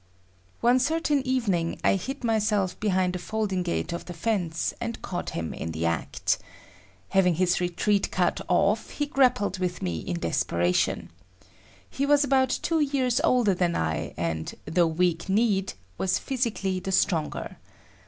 One certain evening I hid myself behind a folding gate of the fence and caught him in the act. Having his retreat cut off he grappled with me in desperation. He was about two years older than I, and, though weak kneed, was physically the stronger.